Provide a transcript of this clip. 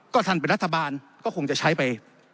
ก็ท่านเป็นรัฐบาลก็คงจะใช้ไป